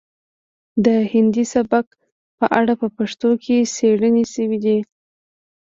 د هندي سبک په اړه په پښتو کې څیړنې شوي دي